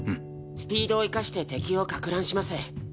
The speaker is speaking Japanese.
スピードを生かして敵を攪乱します。